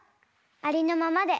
ありのままで。